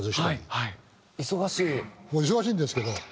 もう忙しいんですけど。